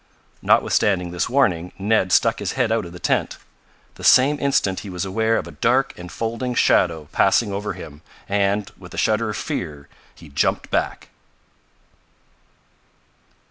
Notwithstanding this warning Ned stuck his head out of the tent. The same instant he was aware of a dark enfolding shadow passing over him, and, with a shudder of fear, he jumped back.